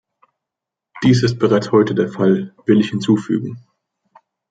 Dies ist bereits heute der Fall, will ich hinzufügen.